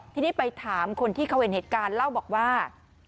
ทีนี้ไปถามคนที่เขาเห็นเหตุการณ์เล่าบอกว่า